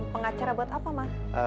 pengacara buat apa ma